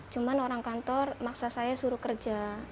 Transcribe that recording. cuma orang kantor maksa saya suruh kerja